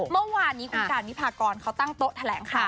เมื่อวานคุณกาศนิพากรเขาตั้งโต๊ะแถลงค่ะ